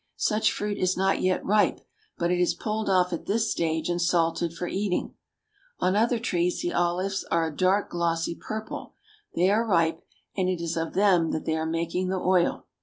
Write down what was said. Such fruit is not yet ripe, but it is pulled off at this stage and salted for eating. On other trees the olives are of a dark glossy purple ; they are ripe, and it is of them that they are making the oil.